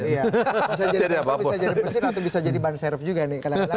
bisa jadi presiden atau bisa jadi banser juga nih